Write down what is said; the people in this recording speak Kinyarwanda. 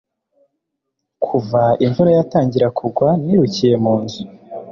Kuva imvura yatangira kugwa nirukiye mu nzu